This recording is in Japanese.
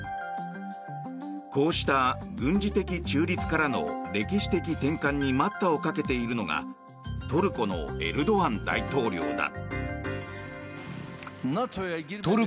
こうした軍事的中立からの歴史的転換に待ったをかけているのがトルコのエルドアン大統領だ。